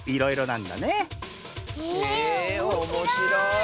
へえおもしろい！